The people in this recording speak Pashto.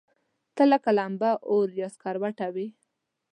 ته لکه لمبه، اور يا سکروټه وې